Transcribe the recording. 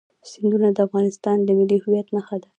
سیندونه د افغانستان د ملي هویت نښه ده.